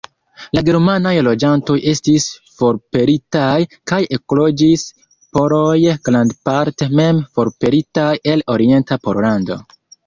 La germanaj loĝantoj estis forpelitaj, kaj ekloĝis poloj, grandparte mem forpelitaj el orienta Pollando.